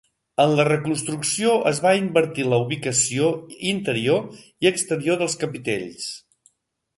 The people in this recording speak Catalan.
En la reconstrucció es va invertir la ubicació interior i exterior dels capitells.